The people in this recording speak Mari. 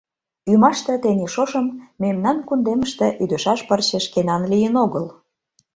Ӱмаште, тений шошым мемнан кундемыште ӱдышаш пырче шкенан лийын огыл.